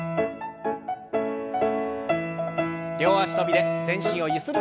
両脚跳びで全身をゆする運動です。